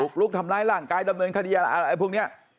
ลุกทำร้ายร่างกายดำเนินคดีอะไรพวกนี้